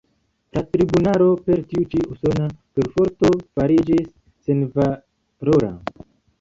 La tribunalo per tiu ĉi usona perforto fariĝis senvalora.